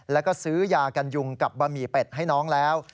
แล้วก็ซื้อยากันยุงกับบะหมี่เป็ดให้น้องแล้ว